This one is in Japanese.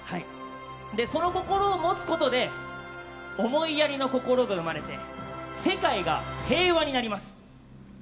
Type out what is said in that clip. その心を持つことで思いやりの心が生まれて世界が平和になります。